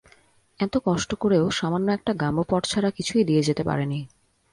এত কষ্ট করেও সামান্য একটা গাম্বো পট ছাড়া কিছুই দিয়ে যেতে পারেনি।